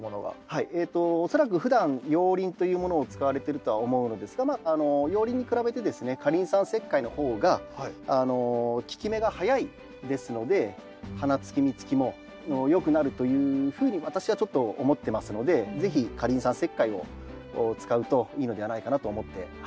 はい恐らくふだん熔リンというものを使われてるとは思うのですが熔リンに比べてですね過リン酸石灰の方が効き目が早いですので花つき実つきもよくなるというふうに私はちょっと思ってますので是非過リン酸石灰を使うといいのではないかなと思ってはい。